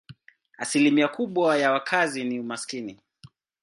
Asilimia kubwa ya wakazi ni maskini.